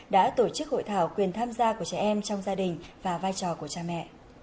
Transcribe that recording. đã tổ chức hội thảo quyền tham gia của trẻ em trong gia đình và vai trò của cha mẹ